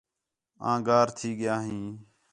آں گار تھی ڳیا ہیں